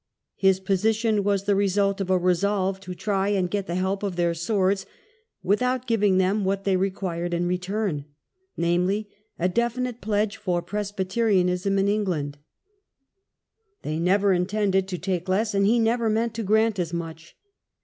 His position was the result of a resolve to try and get the help of their swords without giving them what they required in return, namely, a definite pledge for Presbyterianism in England. SCOTS LEAVE ENGLAND. 55 They never intended to take less, and he never meant to grant as much.